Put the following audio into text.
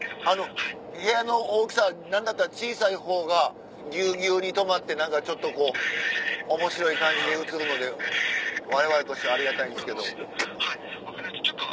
部屋の大きさ何だったら小さいほうがぎゅうぎゅうに泊まって何かちょっと面白い感じで映るのでわれわれとしてはありがたいんですけど。